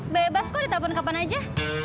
bebas kok ditapan kapan aja